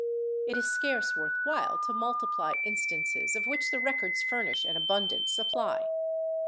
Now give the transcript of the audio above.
It is scarce w^orth while to nudtiply instances of which the records furnish an abundant supply.